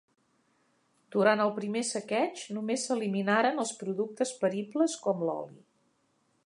Durant el primer saqueig, només s'eliminaren els productes peribles com l'oli.